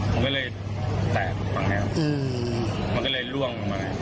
มันก็เลยแทบฝั่งเพื่อนค้ามันก็เลยล่วงลงมา